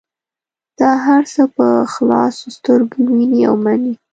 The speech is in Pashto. دا هر څه په خلاصو سترګو وینې او مني.